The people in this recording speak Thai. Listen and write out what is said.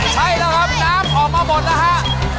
ใช่แล้วครับน้ำออกมาหมดแล้วฮะ